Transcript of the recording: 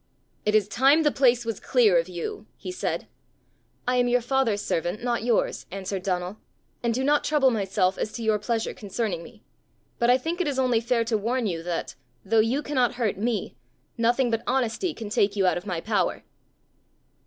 "It is time the place was clear of you!" he said. "I am your father's servant, not yours," answered Donal, "and do not trouble myself as to your pleasure concerning me. But I think it is only fair to warn you that, though you cannot hurt me, nothing but honesty can take you out of my power."